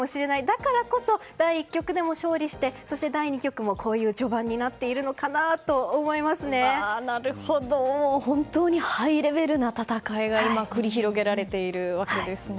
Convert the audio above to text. だからこそ第１局でも勝利してそして第２局もこういう序盤に本当にハイレベルな戦いが繰り広げられているわけですね。